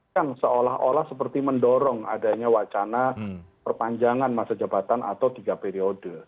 yang seolah olah seperti mendorong adanya wacana perpanjangan masa jabatan atau tiga periode